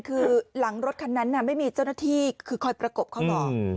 คือหลังรถคันนั้นไม่มีเจ้าหน้าที่คือคอยประกบเขาหรอก